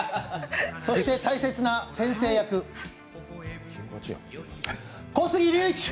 そして大切な先生役、小杉竜一。